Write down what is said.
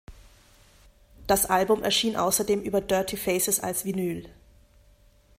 Das Album erschien außerdem über Dirty Faces als Vinyl.